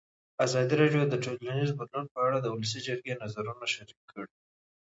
ازادي راډیو د ټولنیز بدلون په اړه د ولسي جرګې نظرونه شریک کړي.